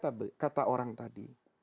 apa kata orang tadi